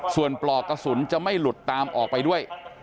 ส่วนปลอกกระสุนจะไม่หลุดตามออกไปด้วย